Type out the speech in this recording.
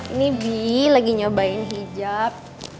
ini bi lagi nyobain hijab